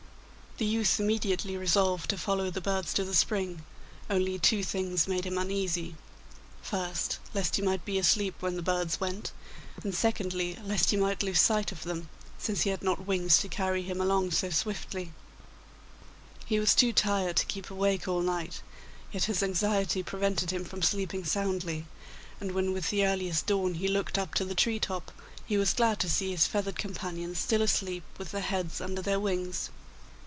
The youth immediately resolved to follow the birds to the spring, only two things made him uneasy: first, lest he might be asleep when the birds went, and secondly, lest he might lose sight of them, since he had not wings to carry him along so swiftly. He was too tired to keep awake all night, yet his anxiety prevented him from sleeping soundly, and when with the earliest dawn he looked up to the tree top, he was glad to see his feathered companions still asleep with their heads under their wings.